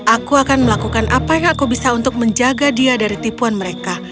aku akan melakukan apa yang aku bisa untuk menjaga dia dari tipuan mereka